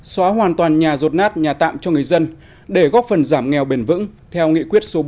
xóa hoàn toàn nhà ruột nát nhà tạm cho người dân để góp phần giảm nghèo bền vững theo nghị quyết số bốn mươi hai nqtu